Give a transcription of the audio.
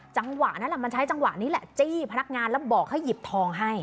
จังหวะนั้นมันใช้จังหวะนี้แหละจี้พนักงานแล้วบอกให้หยิบทองให้